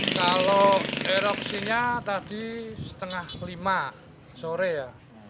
kalau erupsinya tadi setengah lima sore ya